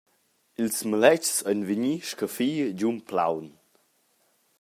Ils maletgs ein vegni scaffi giun plaun.